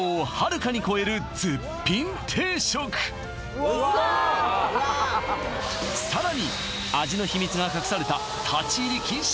うわさらに味の秘密が隠された立ち入り禁止